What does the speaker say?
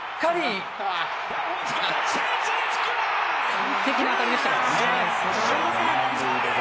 完璧な当たりでしたからね。